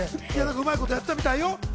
うまいことやってたみたいよ。